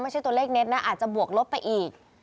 ไม่ใช่ตัวเลขเด็ดนะอาจจะบวกลบไปอีก